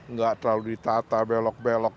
nggak terlalu ditata belok belok